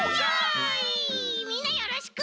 みんなよろしく。